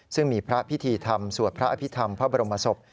ซึ่งมีพระพิธีธรรมสวดพระอภิษฐรรมพระบรมศพ